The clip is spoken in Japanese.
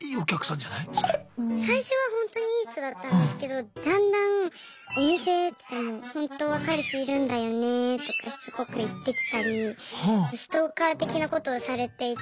最初はほんとにいい人だったんですけどだんだんお店来てもとかしつこく言ってきたりストーカー的なことをされていて。